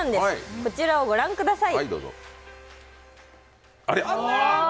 こちらをご覧ください。